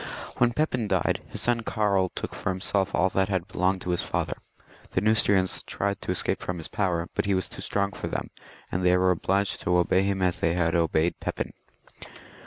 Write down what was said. When Pepin died, his son Karl took for himself all that had belonged to his father. The Neustrians tried to escape from his power, but he was too strong for them, and they were obliged to obey him as they had obeyed Pepin.